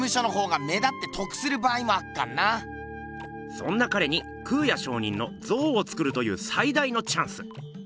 そんなかれに空也上人の像をつくるという最大のチャンス！